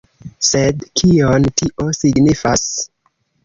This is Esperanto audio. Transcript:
Sed kion tio signifas?